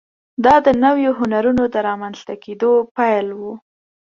دا د نویو هنرونو د رامنځته کېدو پیل و.